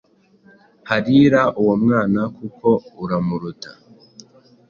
Harira uwo mwana kuko uramuruta